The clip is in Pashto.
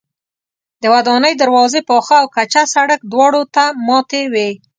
د ودانۍ دروازې پاخه او کچه سړک دواړو ته ماتې وې.